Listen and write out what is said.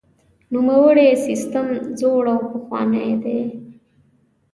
نوموړی سیستم زوړ او پخوانی دی.